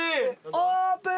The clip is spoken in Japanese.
オープン！